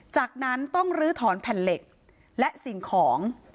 จากนั้นต้องลื้อถอนแผ่นเหล็กและสิ่งของ